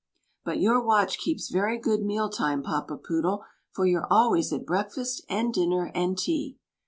But your watch keeps very good meal time, Papa Poodle, for you're always at breakfast, and dinner, and tea.